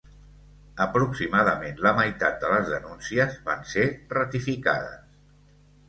Aproximadament la meitat de les denúncies van ser ratificades.